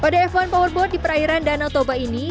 pada f satu powerboat di perairan danau toba ini